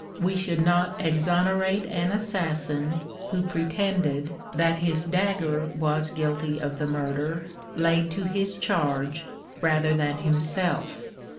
We should not exonerate an assassin who pretended that his dagger was guilty of the murder laid to his charge rather than himself.